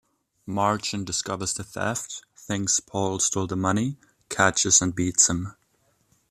Marchand discovers the theft, thinks Paul stole the money, catches and beats him.